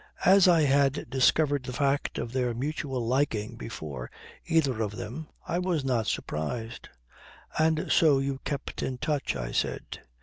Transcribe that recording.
As I had discovered the fact of their mutual liking before either of them, I was not surprised. "And so you kept in touch," I said.